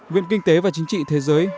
viện kinh tế và chính trị thế giới